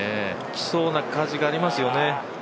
来そうな感じがありますよね。